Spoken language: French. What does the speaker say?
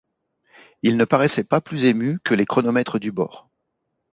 Il ne paraissait pas plus ému que les chronomètres du bord.